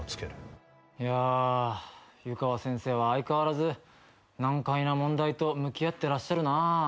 いや湯川先生は相変わらず難解な問題と向き合ってらっしゃるな。